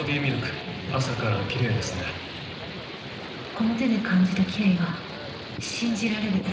この手で感じたキレイは信じられる。